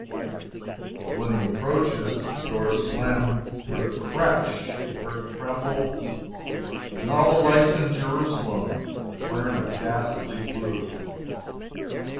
But when he approaches, the doors slam to with a crash, the earth trembles, and all the lights in Jerusalem burn a ghastly blue!